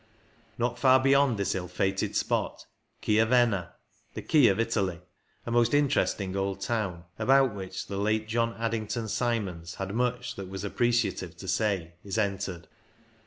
Not far beyond this ill fated spot, Chiavenna, '* the Key of Italy," a most interesting old town, about which the late John Addington Symonds had much that was appreciative to say, is entered.